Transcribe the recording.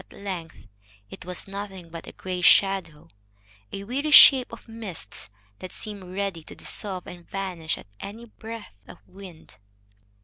At length it was nothing but a gray shadow, a weary shape of mist that seemed ready to dissolve and vanish at any breath of wind.